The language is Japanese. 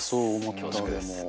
恐縮です。